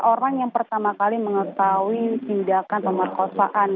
orang yang pertama kali mengetahui tindakan pemerkosaan